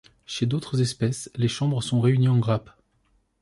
Chez d'autres espèces, les chambres sont réunies en grappes.